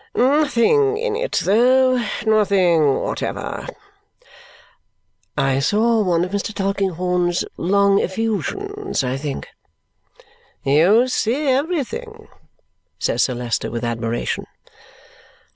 "Nothing in it, though. Nothing whatever." "I saw one of Mr. Tulkinghorn's long effusions, I think?" "You see everything," says Sir Leicester with admiration.